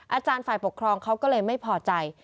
อาจารย์ฝ่ายปกครองเขาก็เลยไม่พอใจ